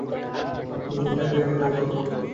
না, তুমি হেঁয়ালি রাখো, বলো।